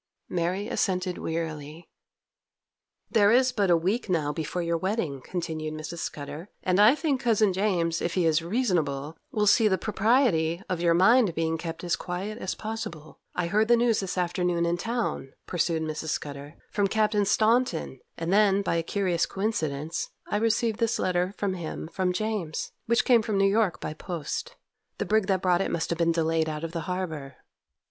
Mary assented wearily. 'There is but a week now before your wedding,' continued Mrs. Scudder, 'and I think cousin James, if he is reasonable, will see the propriety of your mind being kept as quiet as possible. I heard the news this afternoon in town,' pursued Mrs. Scudder, 'from Captain Staunton, and, by a curious coincidence, I received this letter from him from James, which came from New York by post. The brig that brought it must have been delayed out of the harbour.